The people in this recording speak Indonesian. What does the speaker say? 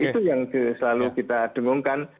itu yang selalu kita dengungkan